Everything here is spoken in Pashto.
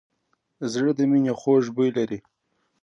زړه د مینې خوږ بوی لري.